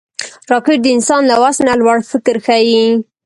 راکټ د انسان له وس نه لوړ فکر ښيي